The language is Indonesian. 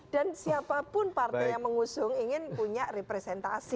dan siapapun partai yang mengusung ingin punya representasi